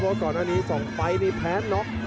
เพราะก่อนอันนี้๒ไฟล์นี่แพ้น็อก